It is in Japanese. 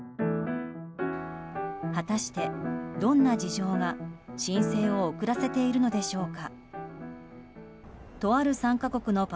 果たして、どんな事情が申請を遅らせているのでしょうか。